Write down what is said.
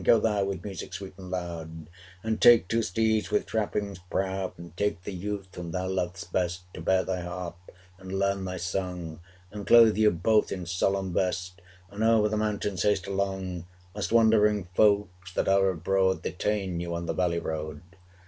Go thou, with music sweet and loud, 485 And take two steeds with trappings proud, And take the youth whom thou lov'st best To bear thy harp, and learn thy song, And clothe you both in solemn vest, And over the mountains haste along, 490 Lest wandering folk, that are abroad, Detain you on the valley road.